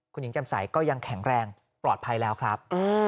คุณหญิงจำใสก็ยังแข็งแรงปลอดภัยแล้วครับ